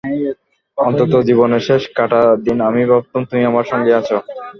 অন্তত জীবনের শেষ কটা দিন আমি ভাবতাম তুমি আমার সঙ্গেই আছ।